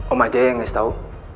om aja yang kasih tau